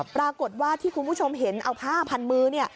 ปรากฏว่าที่คุณผู้ชมเห็นเอาผ้าพันมือเนี่ย